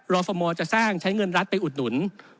ลอฟอร์มอล์จะสร้างใช้เงินรัฐไปอุดหนุน